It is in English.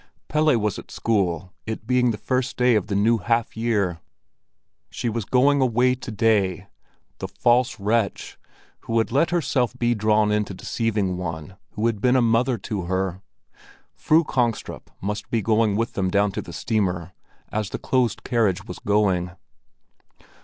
Pelle was at school, it being the first day of the new half year. She was going away to day, the false wretch who had let herself be drawn into deceiving one who had been a mother to her! Fru Kongstrup must be going with them down to the steamer, as the closed carriage was going.